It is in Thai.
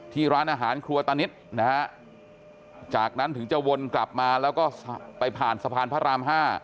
ร้านอาหารครัวตานิดนะฮะจากนั้นถึงจะวนกลับมาแล้วก็ไปผ่านสะพานพระราม๕